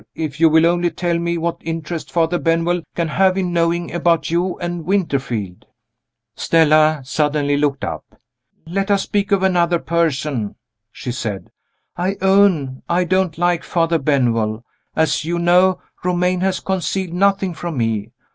If you will only tell me what interest Father Benwell can have in knowing about you and Winterfield " Stella suddenly looked up. "Let us speak of another person," she said; "I own I don't like Father Benwell. As you know, Romayne has concealed nothing from me.